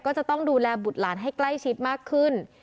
ก็จะต้องดูแลบุตรหลานให้ใกล้ชิดมากขึ้น